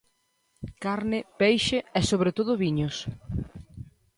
Carne, peixe e sobre todo viños.